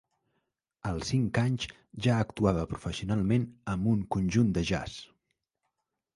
Als cinc anys ja actuava professionalment amb un conjunt de jazz.